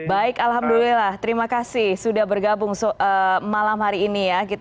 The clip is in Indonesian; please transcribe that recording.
baik alhamdulillah terima kasih sudah bergabung malam hari ini ya